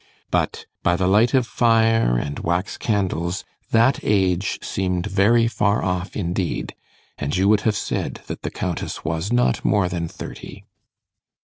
But by the light of fire and wax candles that age seemed very far off indeed, and you would have said that the Countess was not more than thirty.